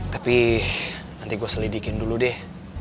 tapi nanti gue selidikin dulu deh